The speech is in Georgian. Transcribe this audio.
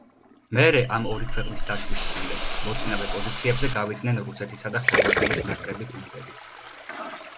მერე ამ ორი ქვეყნის დაშლის შემდეგ მოწინავე პოზიციებზე გავიდნენ რუსეთისა და ხორვატიის ნაკრები გუნდები.